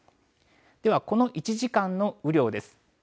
では、この１時間の雨量です。